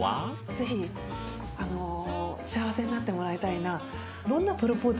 是非あの幸せになってもらいたいな。